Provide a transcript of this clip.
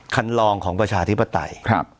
คันลองของประชาธิปไตย